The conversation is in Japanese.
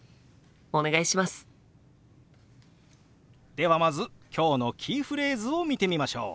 ではまず今日のキーフレーズを見てみましょう。